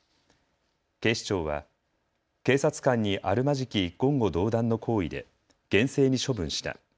警視庁は警察官にあるまじき言語道断の行為で厳正に処分した。